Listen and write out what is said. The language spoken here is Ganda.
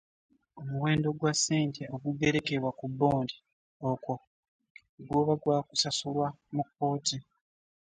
Omuwendo gwa ssente ogugerekebwa ku bond okwo guba gwakusasulwa mu kkooti.